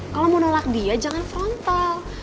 kalau mau nolak dia jangan frontal